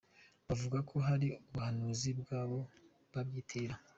Bavuga ko hari ubuhanuzi bwabo babyiyitirira